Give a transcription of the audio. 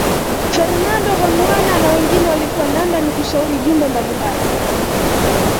Fernando Honwana na wengine walikuwa London kushauri jumbe mbali mbali